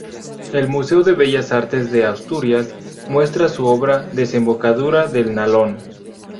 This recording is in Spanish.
El Museo de Bellas Artes de Asturias muestra su obra "Desembocadura del Nalón".